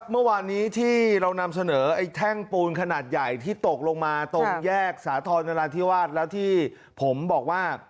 เมื่อวานนี้ที่เรานำเสนอไอ้แท่งปูนขนาดใหญ่ที่ตกลงมาตรงแยกสาธรณราธิวาสแล้วที่ผมบอกว่า